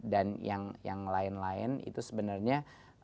yang lain lain itu sebenarnya